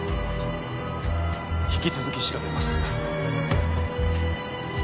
引き続き調べます。